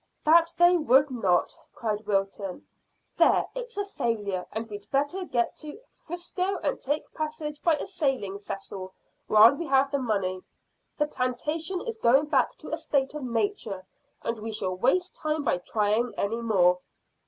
"That they would not," cried Wilton. "There, it's a failure, and we'd better get to 'Frisco and take passage by a sailing vessel while we have the money. The plantation is going back to a state of nature, and we shall waste time by trying any more."